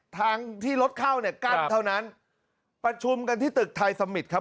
ทางที่รถเข้าเนี่ยกั้นเท่านั้นประชุมกันที่ตึกไทยสมิตรครับ